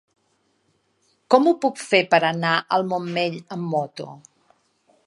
Com ho puc fer per anar al Montmell amb moto?